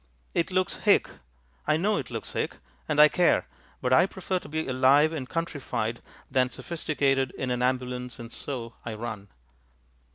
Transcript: It looks "hick." I know it looks "hick." And I care. But I prefer to be alive and countrified than sophisticated in an ambulance and so I run.